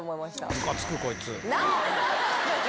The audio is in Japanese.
むかつく、こいつ。